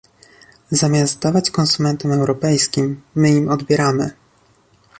Zamiast dawać konsumentom europejskim, my im odbieramy